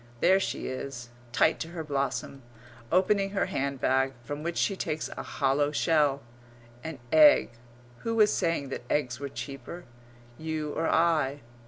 There she is, tight to her blossom; opening her hand bag, from which she takes a hollow shell an egg who was saying that eggs were cheaper? You or I?